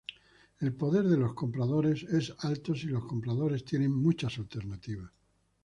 El poder de los compradores es alto si los compradores tienen muchas alternativas.